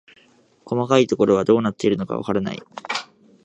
細かいところはどうなっているのかわからない